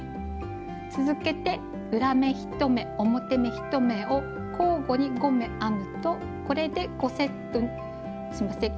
続けて裏目１目表目１目を交互に５目編むとこれで５セットすいません。